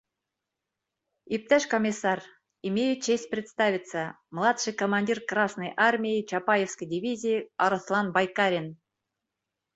— Иптәш комиссар, имею честь представиться, младший командир Красной Армии Чапаевской дивизии Арыҫлан Байкарин.